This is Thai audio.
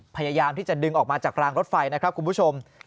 พยายามที่จะดึงออกมาจากรางรถไฟนะครับคุณผู้ชม